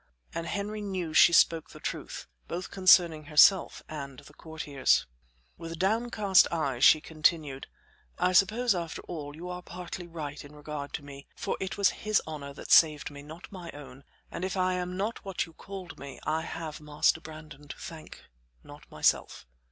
And Henry knew she spoke the truth, both concerning herself and the courtiers. With downcast eyes she continued: "I suppose, after all, you are partly right in regard to me; for it was his honor that saved me, not my own; and if I am not what you called me I have Master Brandon to thank not myself."